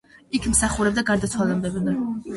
იქ მსახურობდა გარდაცვალებამდე.